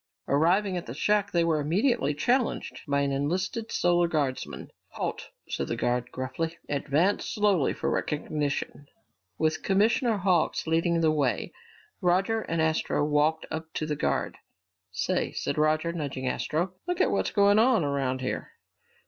Arriving at the shack, they were immediately challenged by an enlisted Solar Guardsman. "Halt!" said the guard gruffly. "Advance slowly for recognition!" With Commissioner Hawks leading the way, Roger and Astro walked up to the guard. "Say," said Roger, nudging Astro, "look at what's going on around here!"